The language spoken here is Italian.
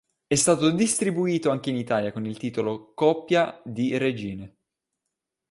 È stato distribuito anche in Italia con il titolo "Coppia di regine".